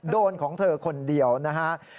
ของเธอคนเดียวนะฮะ